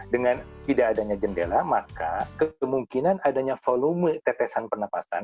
dengan tidak adanya jendela maka kemungkinan adanya volume tetesan pernapasan